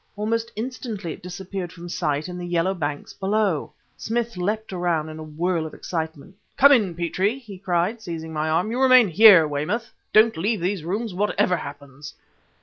Almost instantly it disappeared from sight in the yellow banks below. Smith leapt around in a whirl of excitement. "Come in, Petrie!" he cried, seizing my arm. "You remain here, Weymouth; don't leave these rooms whatever happens!"